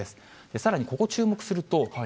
さらに、ここ注目すると。